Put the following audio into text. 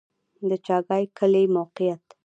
د چاګای کلی موقعیت